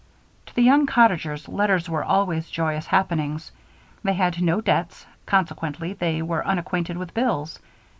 To the young cottagers, letters were always joyous happenings; they had no debts, consequently they were unacquainted with bills.